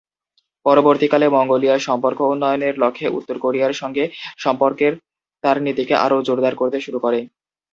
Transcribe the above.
পরবর্তীকালে, মঙ্গোলিয়া সম্পর্ক উন্নয়নের লক্ষ্যে, উত্তর কোরিয়ার সঙ্গে সম্পর্কের তার নীতিকে আরও জোরদার করতে শুরু করে।